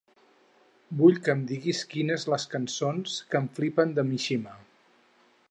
Vull que em diguis quines les cançons que em flipen de Mishima.